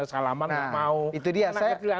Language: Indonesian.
salaman mau anak kecil anak kecil